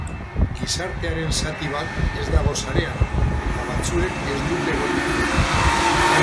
Gizartearen zati bat ez dago sarean eta batzuek ez dute egon nahi.